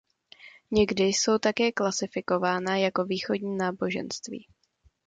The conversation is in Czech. Někdy jsou také klasifikována jako východní náboženství.